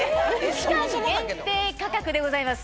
期間限定価格でございます。